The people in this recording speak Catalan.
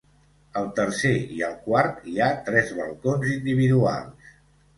Al tercer i al quart hi ha tres balcons individuals.